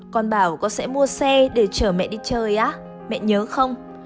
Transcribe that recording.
con bảo con sẽ mua xe để chở mẹ đi chơi á mẹ nhớ không